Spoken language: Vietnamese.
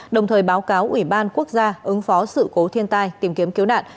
đồng thời báo cáo ủy ban quốc gia ứng phó sự cố thiên tai tìm kiếm cứu nạn